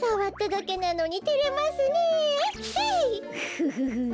フフフフ。